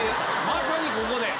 まさにここで。